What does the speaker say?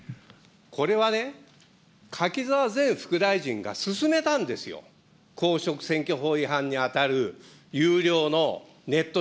これはね、柿沢前副大臣が勧めたんですよ、公職選挙法違反に当たる有料のネット